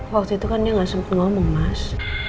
waktu itu kan dia gak sempat ngomong mas